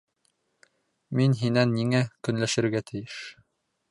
Мин һинән ниңә көнләшергә тейеш?